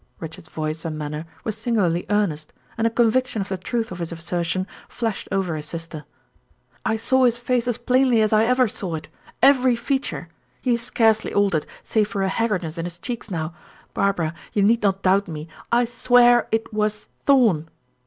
Richard's voice and manner were singularly earnest, and a conviction of the truth of his assertion flashed over his sister. "I saw his face as plainly as I ever saw it every feature he is scarcely altered, save for a haggardness in his cheeks now. Barbara, you need not doubt me; I swear it was Thorn!"